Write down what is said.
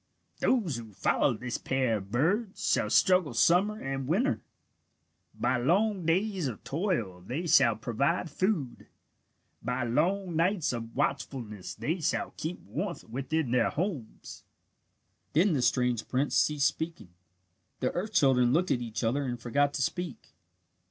"Those who follow this pair of birds shall struggle summer and winter. By long days of toil they shall provide food. By long nights of watchfulness they shall keep warmth within their homes." Then the strange prince ceased speaking. The earth children looked at each other and forgot to speak.